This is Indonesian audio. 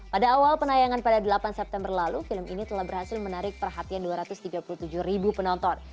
pada awal penayangan pada delapan september lalu film ini telah berhasil menarik perhatian dua ratus tiga puluh tujuh ribu penonton